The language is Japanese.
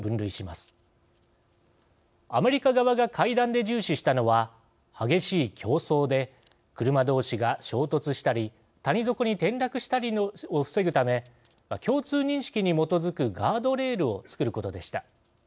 アメリカ側が会談で重視したのは激しい競争で車同士が衝突したり谷底に転落したりするのを防ぐため共通認識に基づくガードレールを作ることでした。